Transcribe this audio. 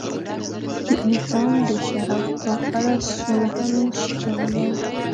د انسان د شرف په اړه سوڼ هم نشي کولای.